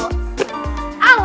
bu takjilnya bu